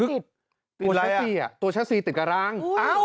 เงิกเกิดตัวชาซีติดกระร้าง